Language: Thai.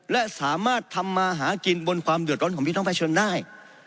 และสามารถทำมาหากินบนความเดือดร้อนของพี่น้องประชาชนได้